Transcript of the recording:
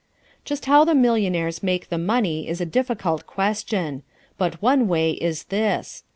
Just how the millionaires make the money is a difficult question. But one way is this.